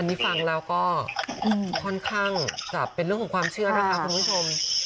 นี่ฟังแล้วก็ค่อนข้างจะเป็นเรื่องของความเชื่อนะคะคุณผู้ชม